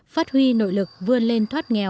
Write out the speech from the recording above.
phát huy nội lực vươn lên thoát nghèo